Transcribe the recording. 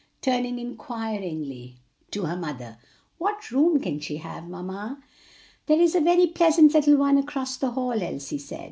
Turning inquiringly to her mother, "What room can she have, mamma?" "There is a very pleasant little one across the hall," Elsie said.